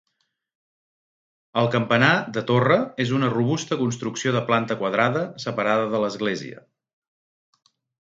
El campanar, de torre, és una robusta construcció de planta quadrada, separada de l'església.